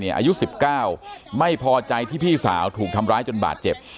อายุ๑๙ไม่พอใจที่พี่สาวถูกทำร้ายจนบาดเจ็บ